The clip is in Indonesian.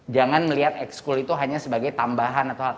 jangan melihat x school itu hanya sebagai tambahan